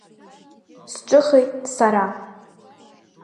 Сҿыхеит сара.